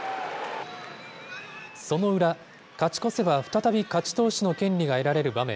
その裏、勝ち越せば再び勝ち投手の権利が得られる場面。